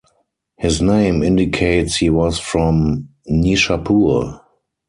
His name indicates he was from Nishapur.